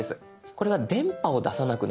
これは電波を出さなくなるんです。